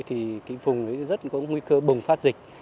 thì cái vùng đấy rất có nguy cơ bùng phát dịch